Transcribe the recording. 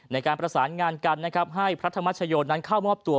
ในการประสานงานกันนะครับให้พระธรรมชโยนั้นเข้ามอบตัว